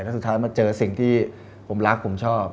แล้วสุดท้ายมาเจอสิ่งที่ผมรักผมชอบ